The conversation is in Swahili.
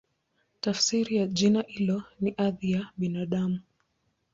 Tafsiri ya jina hilo ni "Hadhi ya Binadamu".